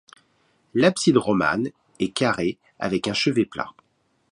L'abside romane est carrée avec un chevet plat.